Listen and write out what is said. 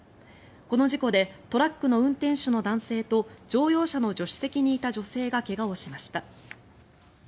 この事故でトラックの運転手の男性と乗用車の助手席にいた女性が怪我をしました。